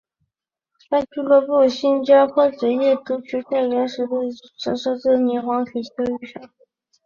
当俱乐部在新加坡职业足球联赛踢球时期球队的主场设在女皇镇体育场。